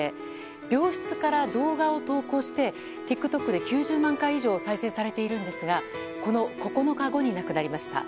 病室から動画を投稿してＴｉｋＴｏｋで９０万回以上再生されているんですがこの９日後に亡くなりました。